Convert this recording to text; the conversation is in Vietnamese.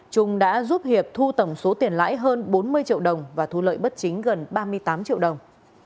trung đã giúp hiệp thu tổng số tiền lãi hơn bốn mươi triệu đồng và thu lợi bất chính gần ba mươi tám triệu đồng